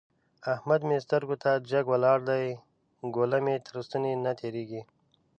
احمد مې سترګو ته جګ ولاړ دی؛ ګوله مې تر ستوني نه تېرېږي.